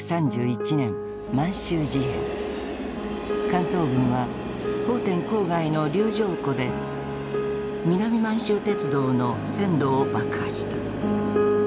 関東軍は奉天郊外の柳条湖で南満州鉄道の線路を爆破した。